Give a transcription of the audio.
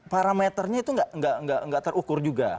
parameternya itu nggak terukur juga